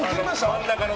真ん中に。